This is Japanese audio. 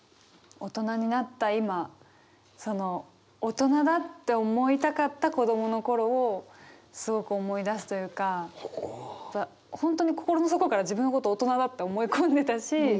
大人になった今その大人だって思いたかった子供の頃をすごく思い出すというか本当に心の底から自分のこと大人だって思い込んでたし。